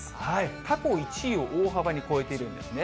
過去１位を大幅に超えているんですね。